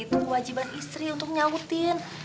itu kewajiban istri untuk nyautin